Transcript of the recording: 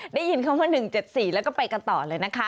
ได้ยินคำว่า๑๗๔แล้วก็ไปกันต่อเลยนะคะ